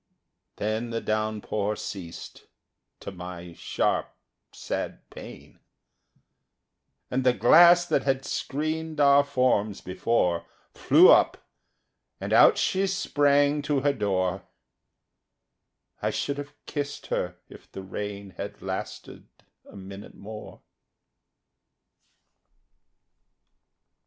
Then the downpour ceased, to my sharp sad pain, And the glass that had screened our forms before Flew up, and out she sprang to her door: I should have kissed her if the rain Had lasted a minute more.